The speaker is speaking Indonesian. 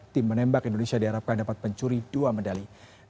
tim menembak indonesia diharapkan dapat mencuri dua medali